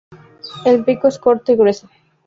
El pico es corto y grueso.